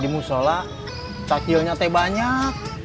di mussola takjil nyate banyak